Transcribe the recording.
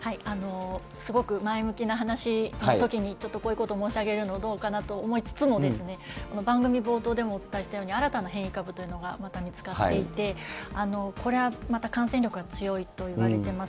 すごく前向きな話のときにちょっとこういうことを申し上げるの、どうかなと思いつつもですね、番組冒頭でもお伝えしたように、新たな変異株というのがまた見つかっていて、これはまた感染力が強いといわれてます。